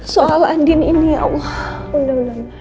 soal andin ini ya allah